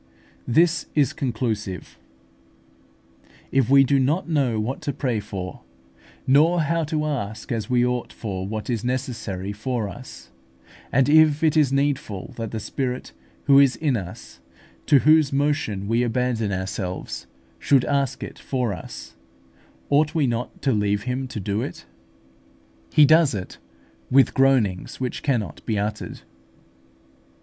This is conclusive: if we do not know what to pray for, nor how to ask as we ought for what is necessary for us, and if it is needful that the Spirit who is in us, to whose motion we abandon ourselves, should ask it for us, ought we not to leave Him to do it? He does it "with groanings which cannot be uttered."